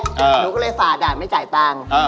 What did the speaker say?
องค์นี้ละหมูก็เลยฝ่าด่าไม่จ่ายกลาง